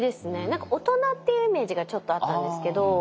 何か大人っていうイメージがちょっとあったんですけど。